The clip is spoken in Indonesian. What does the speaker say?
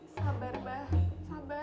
sabar pak sabar